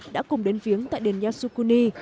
đã cùng đến viếng tại đền yasukuni